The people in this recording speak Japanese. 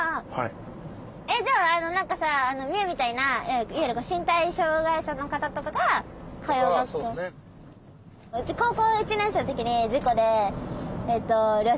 えっじゃああの何かさ海みたいないわゆる身体障害者の方とかが通う学校。